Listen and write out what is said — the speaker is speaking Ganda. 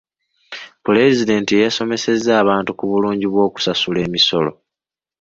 Pulezidenti yasomesezza abantu ku bulungi bw'okusasula emisolo.